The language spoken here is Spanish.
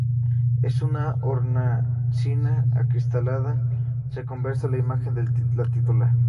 En una hornacina acristalada se conserva la imagen de la titular.